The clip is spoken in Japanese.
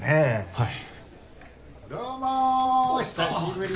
はい？